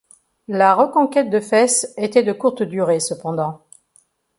La reconquête de Fès était de courte durée cependant.